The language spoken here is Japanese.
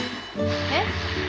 えっ？